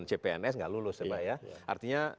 cpns nggak lulus ya pak ya artinya